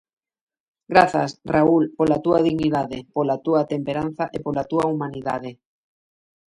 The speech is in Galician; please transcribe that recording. Grazas, Raúl, pola túa dignidade, pola túa temperanza e pola túa humanidade.